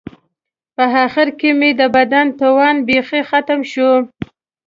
په آخر کې مې د بدن توان بیخي ختم شو.